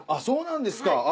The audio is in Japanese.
そうなんですか。